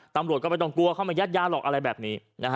ตำรวจก็ไม่ต้องกลัวเข้ามายัดยาหรอกอะไรแบบนี้